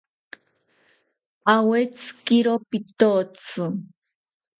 Awetzikiro pitotzi